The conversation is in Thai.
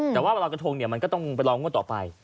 แต่ว่าเวลากระทงมันก็ต้องไปร้องว่าต่อไป